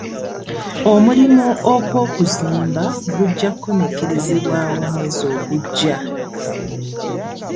Omulimu gw'okuzimba gujja kukomekerezebwa omwezi ogujja.